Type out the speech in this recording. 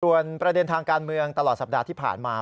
ส่วนประเด็นทางการเมืองตลอดสัปดาห์ที่ผ่านมา